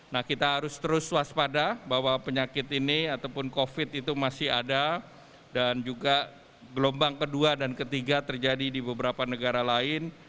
nah kita harus terus waspada bahwa penyakit ini ataupun covid itu masih ada dan juga gelombang kedua dan ketiga terjadi di beberapa negara lain